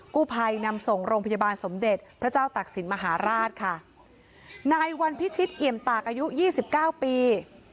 กู้ภัยนำส่งโรงพยาบาลสมเด็จพระเจ้าตักศิลปมหาราชค่ะนายวันพิชิตเอี่ยมตากอายุยี่สิบเก้าปี